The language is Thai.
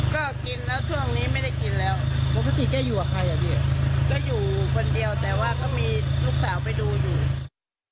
ก็อยู่คนเดียวแต่ว่าก็มีลูกสาวไปดูอยู่